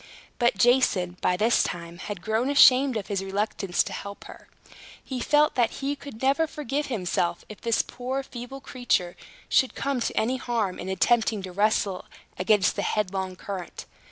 But Jason, by this time, had grown ashamed of his reluctance to help her. He felt that he could never forgive himself, if this poor feeble creature should come to any harm in attempting to wrestle against the headlong current.